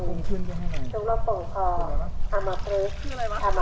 สวัสดีครับ